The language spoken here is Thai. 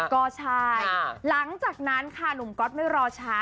ก็ใช่หลังจากนั้นค่ะหนุ่มก๊อตไม่รอช้า